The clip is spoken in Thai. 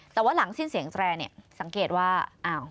แต่ว่าหลังสิ้นเสียงแตรเนี่ยสังเกตว่า